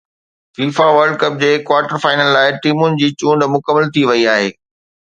FIFA World Cup جي quarter final لاءِ ٽيمن جي چونڊ مڪمل ٿي وئي آهي